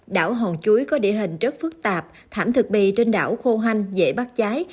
đảo hòn chuối có địa hình rất phức tạp thảm thực bì trên đảo khô hanh dễ bắt cháy